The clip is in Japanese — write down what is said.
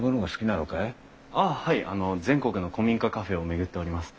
あの全国の古民家カフェを巡っております。